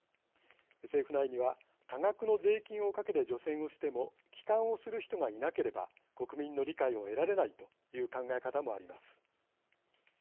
政府内には多額の税金をかけて除染をしても帰還をする人がいなければ国民の理解を得られないという考え方もあります。